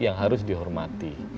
yang harus dihormati